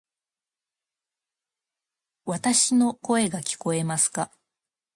わたし（の声）が聞こえますか？